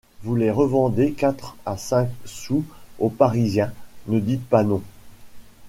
Vous les revendez quatre à cinq sous aux Parisiens, ne dites pas non...